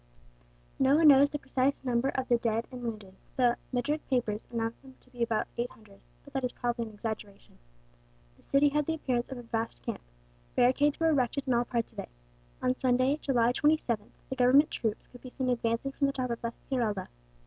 No one knows the precise number of the dead and wounded. The [Madrid] newspapers announce them to be about 800, but that is probably an exaggeration. The city had the appearance of a vast camp. Barricades were erected in all parts of it. On Sunday, July 27th, the Government troops could be seen advancing from the top of the Giralda.